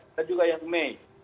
ada juga yang mei